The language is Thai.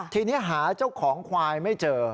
ทีนี้หาเจ้าของควายไม่เจอ